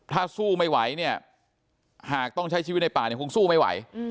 ถ้าสู้ไม่ไหวเนี่ยหากต้องใช้ชีวิตในป่าเนี่ยคงสู้ไม่ไหว